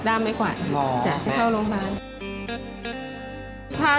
ด้านไม้กวาดไปเข้าโรงพยาบาล